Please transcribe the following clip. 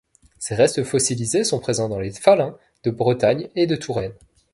Ces restes fossilisés sont présents dans les faluns de Bretagne et de Touraine.